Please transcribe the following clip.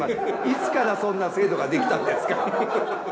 いつからそんな制度ができたんですか？